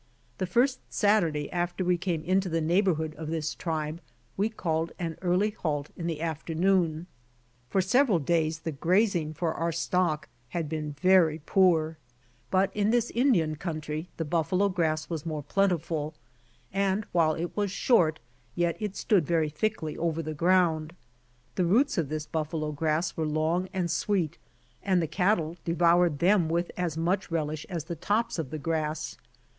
The first Siaturday after we came into the neighborhood of this tribe we called an early halt in the afternoon. For several days the grazing for our stock had been very poor, but in this Indian BUFFALO COUNTRY 27 country the buffalo grass was more plentiful, and while it was short yet it stood very thickly over the ground. The roots of this buffalo grass were long and sweet, and the cattle devoured them, with as much relish as the tops of the grass.